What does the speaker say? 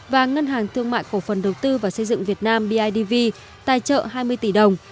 và ngân hàng thương mại cổ phần đầu tư và xây dựng việt nam bidv tài trợ hai mươi tỷ đồng